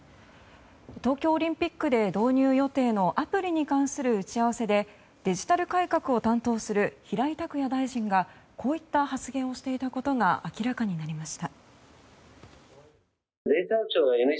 東京オリンピックで導入予定のアプリに関する打ち合わせでデジタル改革を担当する平井卓也大臣がこういった発言をしていたことが明らかになりました。